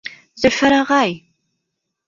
Зөлфәр ағай!..